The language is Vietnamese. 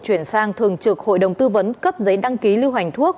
chuyển sang thường trực hội đồng tư vấn cấp giấy đăng ký lưu hành thuốc